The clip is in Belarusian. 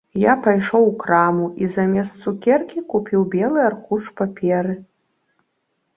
Я пайшоў у краму і замест цукеркі купіў белы аркуш паперы.